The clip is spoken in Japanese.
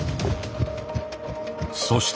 そして。